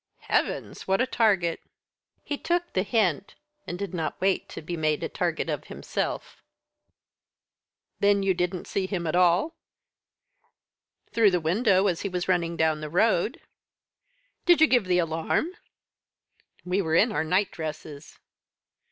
"Heavens! what a target." "He took the hint, and did not wait to be made a target of himself." "Then didn't you see him at all?" "Through the window, as he was running down the road." "Did you give the alarm?" "We were in our night dresses."